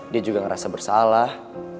dia juga ngerasa bersalah